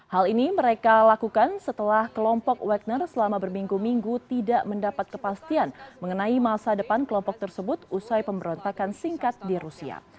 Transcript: hal ini mereka lakukan setelah kelompok wegener selama berminggu minggu tidak mendapat kepastian mengenai masa depan kelompok tersebut usai pemberontakan singkat di rusia